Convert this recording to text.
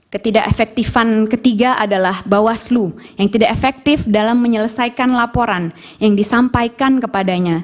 ketidak efektifan ketiga adalah bawaslu yang tidak efektif dalam menyelesaikan laporan yang disampaikan kepadanya